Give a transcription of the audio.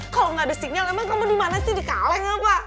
kalau nggak ada sinyal emang kamu dimana sih dikaleng apa